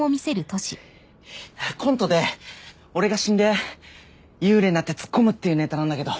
コントで俺が死んで幽霊になってツッコむっていうネタなんだけど。